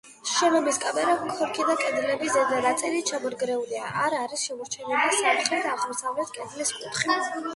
შენობის კამარა, კონქი და კედლების ზედა ნაწილი ჩამონგრეულია, არ არის შემორჩენილი სამხრეთ-აღმოსავლეთ კედლის კუთხე.